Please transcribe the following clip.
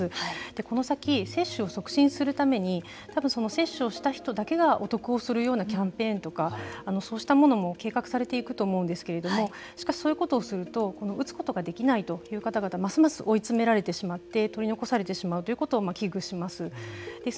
この先、接種を促進するために多分接種をした人だけがお得をするようなキャンペーンとかそうしたものも計画されていくと思うんですけれどもしかし、そういう事をすると打つことができないという方々ますます追い詰められてしまって取り残されてしまうということを危惧します。